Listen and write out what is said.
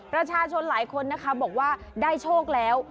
ราชาชนหลายคนบอกว่าได้โชคแล้ว